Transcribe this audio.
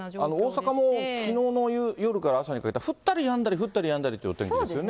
大阪もきのうの夜から朝にかけて、降ったりやんだり、降ったりやんだりっていうお天気ですよね。